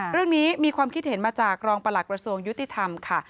เรื่องนี้มีความคิดเห็นมาจากรองประหลักประสงค์ยุติธรรมค่ะ